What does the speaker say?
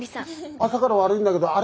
朝から悪いんだけどあれどうなった？